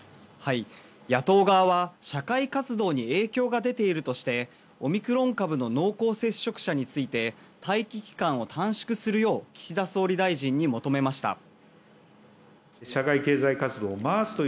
野党側は社会活動に影響が出ているとしてオミクロン株の濃厚接触者について待機期間を短縮するよう岸田総理大臣に求めました。